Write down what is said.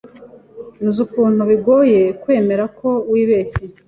Nzi ukuntu bigoye kwemera ko wibeshye.